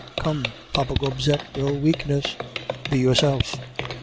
Come, Papa Gobseck, no weakness, be yourself!